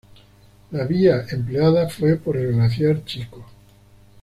La vía empleada fue por el glaciar Chico.